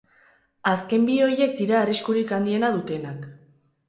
Azken bi horiek dira arriskurik handiena dutenak.